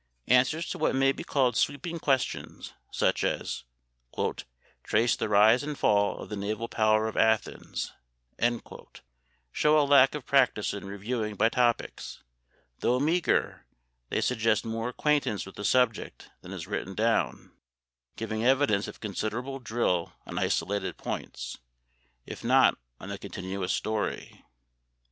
Answers to what may be called sweeping questions such as "Trace the rise and fall of the naval power of Athens," show a lack of practice in reviewing by topics; though meagre, they suggest more acquaintance with the subject than is written down, giving evidence of considerable drill on isolated points, if not on the continuous story.